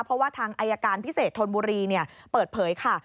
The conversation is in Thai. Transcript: เพราะว่าทางอายการพิเศษธนบุรีเปิดเผยค่ะ